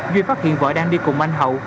duy phát hiện vợ đang đi cùng anh hậu